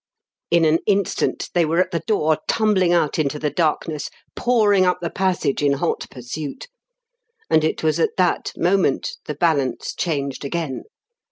In an instant they were at the door, tumbling out into the darkness, pouring up the passage in hot pursuit. And it was at that moment the balance changed again.